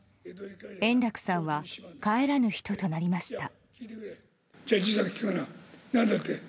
円楽さんは帰らぬ人となりました。